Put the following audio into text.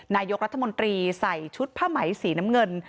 นายกรัฐมนตรีใส่ชุดผ้าไหมสีน้ำเงิน